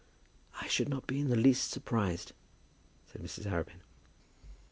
"I should not be in the least surprised," said Mrs. Arabin.